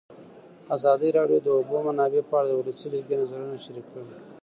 ازادي راډیو د د اوبو منابع په اړه د ولسي جرګې نظرونه شریک کړي.